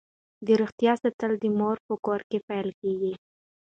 د روغتیا ساتل د مور په کور کې پیل کیږي.